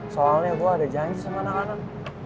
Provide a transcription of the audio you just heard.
soalnya gue ada giant sama anak anak